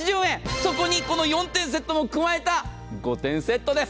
そこに、この４点セットも加えた５点セットです。